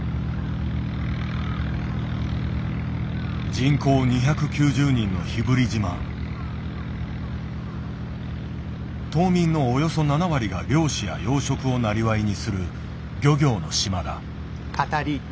人口２９０人の島民のおよそ７割が漁師や養殖をなりわいにする漁業の島だ。